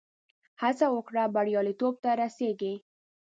هڅه وکړه، بریالیتوب ته رسېږې.